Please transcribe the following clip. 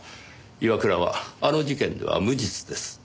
岩倉はあの事件では無実です。